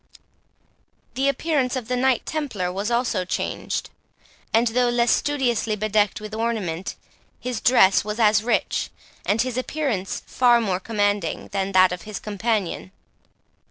The appearance of the Knight Templar was also changed; and, though less studiously bedecked with ornament, his dress was as rich, and his appearance far more commanding, than that of his companion.